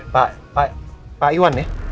pak pak pak iwan ya